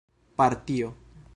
partio